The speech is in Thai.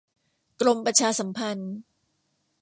กรมประชาสัมพันธ์